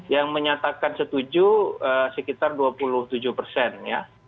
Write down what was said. yang menyatakan setuju sekitar dua puluh tujuh persen ya